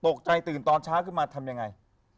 ตื่นตอนเช้าขึ้นมาทำยังไง